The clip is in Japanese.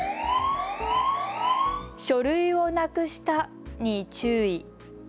書類をなくしたに注意。